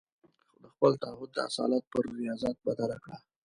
د خپل تعهد د اصالت پر رياضت بدله کړه.